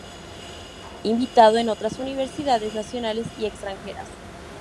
Invitado en otras universidades nacionales y extranjeras.